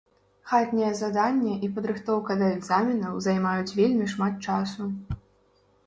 Хатняе заданне і падрыхтоўка да экзаменаў займаюць вельмі шмат часу.